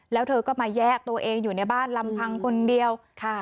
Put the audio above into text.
แล้วเธอก็มาแยกตัวเองอยู่ในบ้านลำพังคนเดียวค่ะ